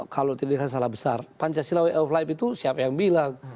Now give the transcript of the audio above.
kalau tidak salah besar pancasila way of life itu siapa yang bilang